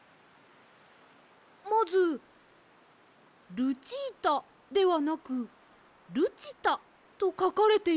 まず「ルチータ」ではなく「るちた」とかかれているんです。